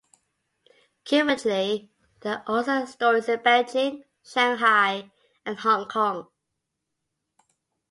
Currently, there are also stores in Beijing, Shanghai and Hong Kong.